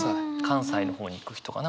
関西の方に行く人が。